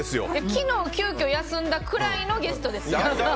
昨日急きょ休んだくらいのゲストですよ。